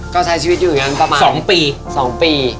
ก็ใช้ชีวิตอยู่อย่างนั้นประมาณ๒ปี๒ปี